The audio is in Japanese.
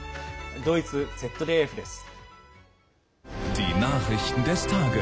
ドイツＺＤＦです。